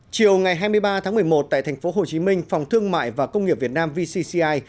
chiều ngày hai mươi ba tháng một mươi một tại thành phố hồ chí minh phòng thương mại và công nghiệp việt nam vcci